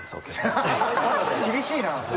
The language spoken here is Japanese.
厳しいな。